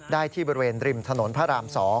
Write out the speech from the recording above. ได้ที่บริเวณริมถนนพระราม๒